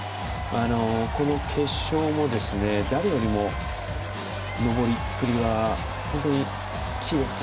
この決勝も誰よりも登りっぷりは本当にキレて